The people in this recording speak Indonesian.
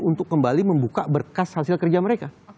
untuk kembali membuka berkas hasil kerja mereka